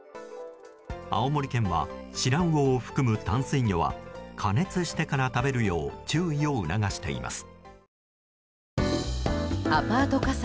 青森県はシラウオを含む淡水魚は加熱してから食べるよう注意を促しています。